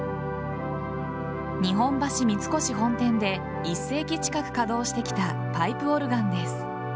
日本橋三越本店で１世紀近く稼働してきたパイプオルガンです。